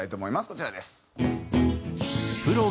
こちらです。